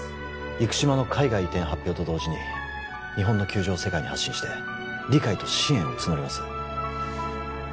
生島の海外移転発表と同時に日本の窮状を世界に発信して理解と支援を募ります